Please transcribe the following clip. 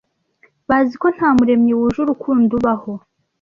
bazi ko nta muremyi wuje urukundo ubaho